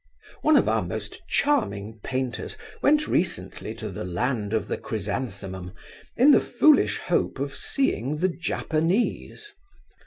One of our most charming painters went recently to the Land of the Chrysanthemum in the foolish hope of seeing the Japanese.